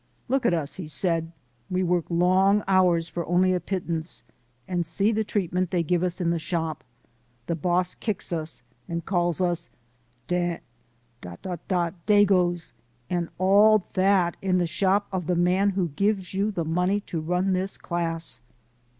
"Look at us," he said, "we work long hours for only a pittance, and see the treatment they give us in the shop. The boss kicks us and calls us 'd dagoes,' and all that in the shop of the man who gives you the money to run this class.